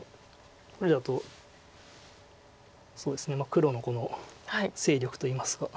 これだとそうですね黒のこの勢力といいますか。